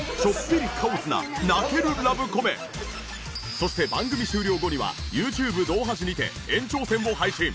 そして番組終了後にはＹｏｕＴｕｂｅ「動はじ」にて延長戦を配信。